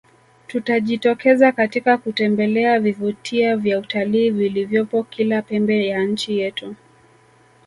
Tutajitokeza katika kutembelea vivutia vya utalii vilivyopo kila pembe ya nchi yetu